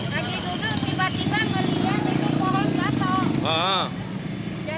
ragi duduk tiba tiba melihat itu pohon jatuh